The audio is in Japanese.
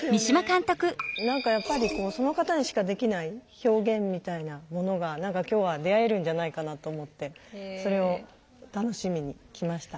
何かやっぱりその方にしかできない表現みたいなものが何か今日は出会えるんじゃないかなと思ってそれを楽しみに来ました。